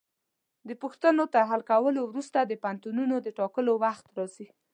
د پوښتنو تر حل کولو وروسته د پوهنتونونو د ټاکلو وخت راځي.